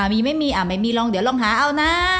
มีไม่มีลองเดี๋ยวลองหาเอานะ